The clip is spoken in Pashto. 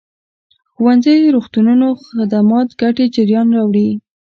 ښوونځيو روغتونونو خدمات ګټې جريان راوړي.